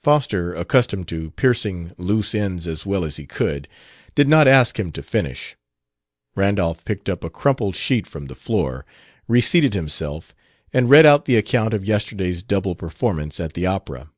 Foster, accustomed to piecing loose ends as well as he could, did not ask him to finish. Randolph picked up a crumpled sheet from the floor, reseated himself, and read out the account of yesterday's double performance at the opera.